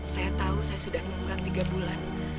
saya tahu saya sudah tunggak tiga bulan